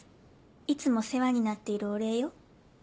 いつも世話になっているお礼よ。